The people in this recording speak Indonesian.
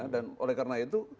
dan oleh karena itu